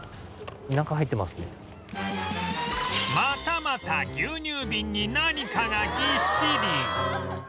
またまた牛乳瓶に何かがぎっしり！